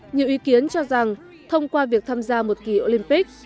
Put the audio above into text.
nhiều ý kiến cho rằng thông qua việc tham gia một kỳ olympic